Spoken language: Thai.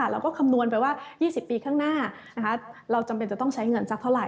คำนวณไปว่า๒๐ปีข้างหน้าเราจำเป็นจะต้องใช้เงินสักเท่าไห